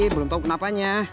belum tau kenapanya